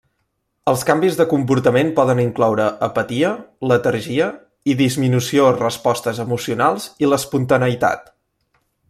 Els canvis de comportament poden incloure apatia, letargia i disminució respostes emocionals i l'espontaneïtat.